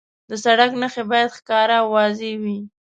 د سړک نښې باید ښکاره او واضح وي.